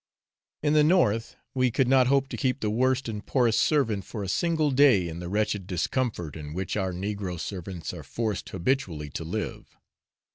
In the north we could not hope to keep the worst and poorest servant for a single day in the wretched discomfort in which our negro servants are forced habitually to live.